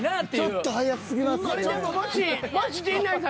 ちょっと早すぎますよね。